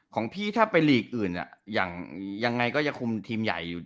ของพี่ถ้าไปลีกอื่นอย่างยังไงก็จะคุมทีมใหญ่อยู่